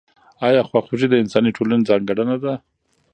آیا خواخوږي د انساني ټولنې ځانګړنه ده؟